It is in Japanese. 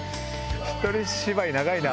一人芝居長いな。